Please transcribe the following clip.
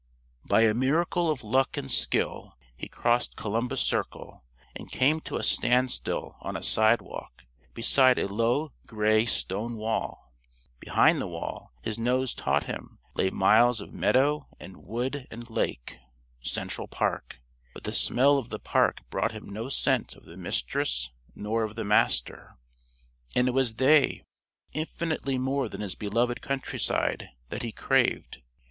By a miracle of luck and skill he crossed Columbus Circle, and came to a standstill on a sidewalk, beside a low gray stone wall. Behind the wall, his nose taught him, lay miles of meadow and wood and lake Central Park. But the smell of the Park brought him no scent of the Mistress nor of the Master. And it was they infinitely more than his beloved countryside that he craved.